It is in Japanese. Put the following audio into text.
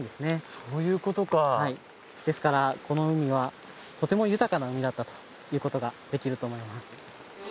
そういうことかはいですからこの海はとても豊かな海だったと言うことができると思います